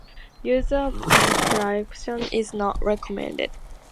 Use of encryption is not recommended.